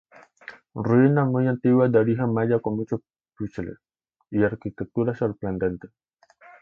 Ruinas muy antiguas de origen maya con muchos puzzles y arquitecturas sorprendentes.